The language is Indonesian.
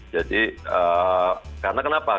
jadi karena kenapa